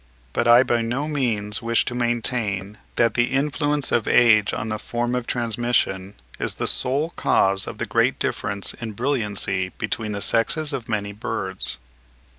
But I by no means wish to maintain that the influence of age on the form of transmission, is the sole cause of the great difference in brilliancy between the sexes of many birds.